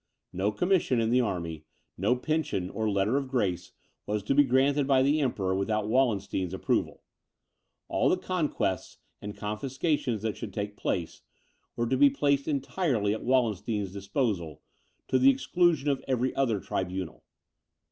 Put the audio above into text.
No commission in the army, no pension or letter of grace, was to be granted by the Emperor without Wallenstein's approval. All the conquests and confiscations that should take place, were to be placed entirely at Wallenstein's disposal, to the exclusion of every other tribunal.